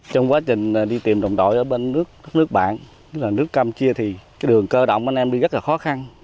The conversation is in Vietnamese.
trong quá trình đi tìm đồng đội ở bên nước nước bạn nước campuchia thì đường cơ động của anh em đi rất là khó khăn